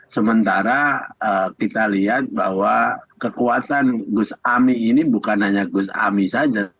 sementara kita lihat bahwa kekuatan gus ami ini bukan hanya gus ami saja